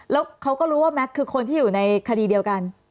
แล้วเขาก็รู้ว่าแม็กซ์คือคนที่อยู่ในคดีเดียวกัน